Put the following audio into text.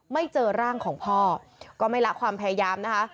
ไม่เจอร่างของพ่อก็ไม่ละความพยายามนะคะ